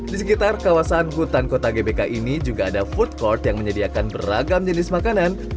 di sekitar kawasan hutan kota gbk ini juga ada food court yang menyediakan beragam jenis makanan